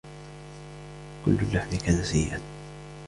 كل اللحم كان سيئا.